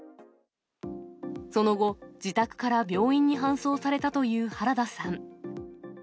その後、自宅から病院に搬送されたという原田さん。